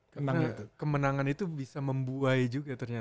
karena kemenangan itu bisa membuai juga ternyata